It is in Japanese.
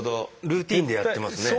ルーティンでやってますね。